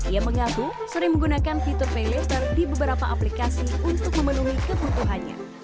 ia mengaku sering menggunakan fitur pay laser di beberapa aplikasi untuk memenuhi kebutuhannya